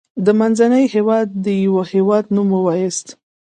د منځني هيواد دیوه هیواد نوم ووایاست.